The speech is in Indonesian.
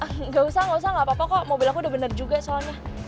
enggak usah enggak usah enggak apa apa kok mobil aku udah bener juga soalnya